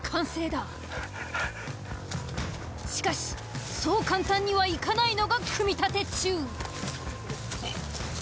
しかしそう簡単にはいかないのが組立中。